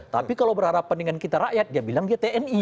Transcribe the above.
tapi kalau berhadapan dengan kita rakyat dia bilang dia tni